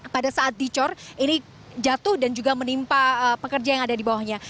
pada saat dicor ini jatuh dan juga menimpa pekerja yang ada di bawahnya